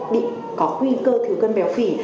bị có nguy cơ thiếu cân béo phỉ